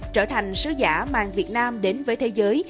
trở thành sứ giả mang việt nam đến với thế giới